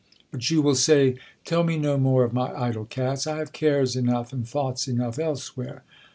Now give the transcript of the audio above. ] But you will say, "Tell me no more of my idle cats; I have cares enough, and thoughts enough elsewhere.